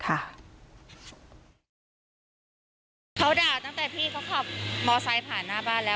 เขาด่าตั้งแต่พี่เขาขับมอไซค์ผ่านหน้าบ้านแล้ว